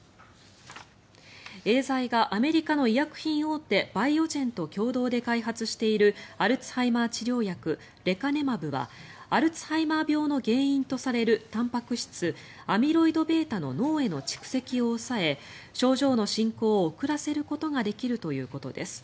エーザイがアメリカの医薬品大手バイオジェンと共同で開発しているアルツハイマー治療薬レカネマブはアルツハイマー病の原因とされるたんぱく質、アミロイドβの脳への蓄積を抑え症状の進行を遅らせることができるということです。